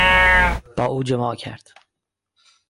با او جماع کرد.